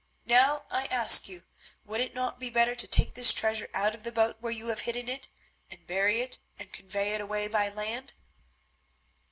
Now, I ask you, would it not be better to take this treasure out of the boat where you have hidden it, and bury it, and convey it away by land?"